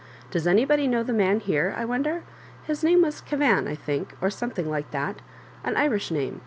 Does anybody know the man here, I wonder? — bis name was Kavan, I think, or something like that ^an Irish name.